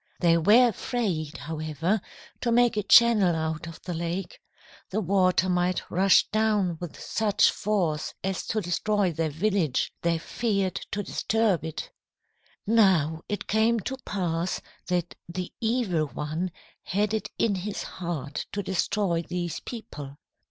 "They were afraid, however, to make a channel out of the lake. The water might rush down with such force as to destroy their village. They feared to disturb it. "Now, it came to pass that the Evil One had it in his heart to destroy these people.